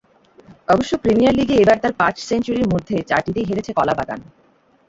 অবশ্য প্রিমিয়ার লিগে এবার তাঁর পাঁচ সেঞ্চুরির মধ্যে চারটিতেই হেরেছে কলাবাগান।